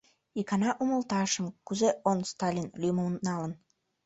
Икана умылтарыш, кузе он «Сталин» лӱмым налын.